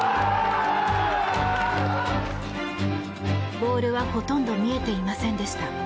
ボールはほとんど見えていませんでした。